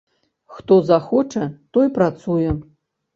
Хто захоча, той працуе.